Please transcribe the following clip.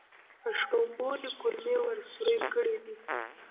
په شړومبو دې کولمې ور سورۍ کړې دي.